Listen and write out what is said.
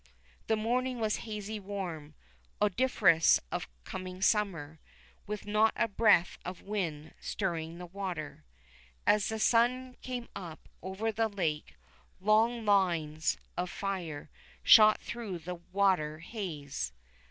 The morning was hazy, warm, odoriferous of coming summer, with not a breath of wind stirring the water. As the sun came up over the lake long lines of fire shot through the water haze.